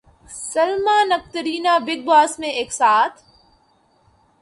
Salman Katrina big باس میں ایک ساتھ